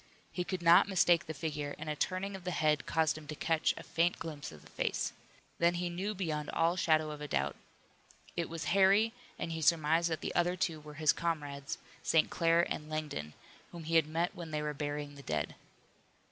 He could not mistake the figure, and a turning of the head caused him to catch a faint glimpse of the face. Then he knew beyond all shadow of doubt. It was Harry and he surmised that the other two were his comrades, St. Clair and Langdon, whom he had met when they were burying the dead.